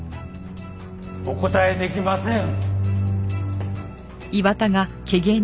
お答えできません！